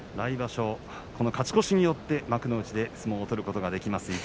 この勝ち越しによって来場所幕内で相撲を取ることができます